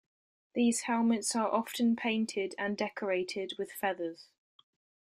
These helmets are often painted and decorated with feathers.